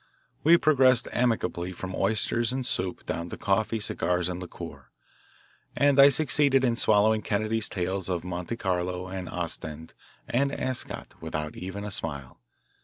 We progressed amicably from oysters and soup down to coffee, cigars, and liqueurs, and I succeeded in swallowing Kennedy's tales of Monte Carlo and Ostend and Ascot without even a smile.